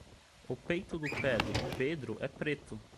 o peito do pé do pedro é preto